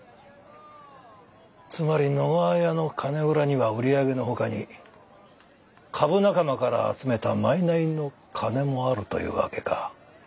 つまり野川屋の金蔵には売り上げのほかに株仲間から集めた賄の金もあるという訳か。